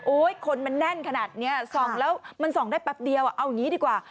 คนมันแน่นขนาดนี้ส่องแล้วมันส่องได้แป๊บเดียวเอาอย่างนี้ดีกว่า